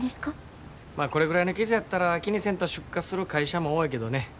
まあこれぐらいの傷やったら気にせんと出荷する会社も多いけどね